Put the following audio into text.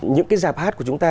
những cái giảp hát của chúng ta